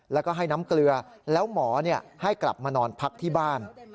แล้วก็ให้น้ำเกลือแล้วหมอให้กลับมานอนพักที่บ้าน